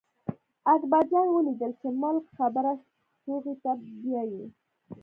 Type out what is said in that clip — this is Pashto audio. اکبر جان ولیدل چې ملک خبره ستوغې ته بیايي.